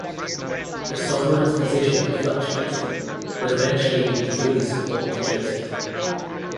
The sovereign's position fluctuated, but eventually he threw his support to Joseph.